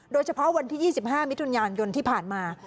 โดยเฉพาะวันที่๒๕มิถุนายนที่ผ่านมา